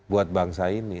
buat bangsa ini